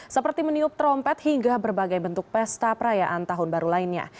seperti meniup trompet hingga berbagai bentuk pesta perayaan tahun baru lainnya